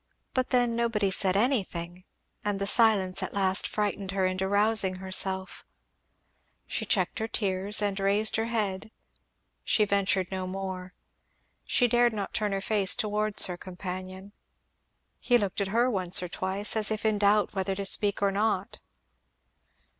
But then nobody said anything; and the silence at last frightened her into rousing herself She checked her tears and raised her head; she ventured no more; she dared not turn her face towards her companion. He looked at her once or twice, as if in doubt whether to speak or not.